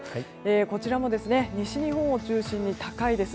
こちらも西日本を中心に高いです。